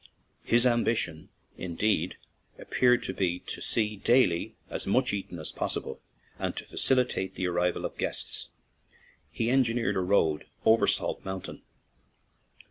His ambition, indeed, appeared to be to see daily as much eaten as possible; and to facilitate the arrival of guests, he engineered a road over Salt Mountain.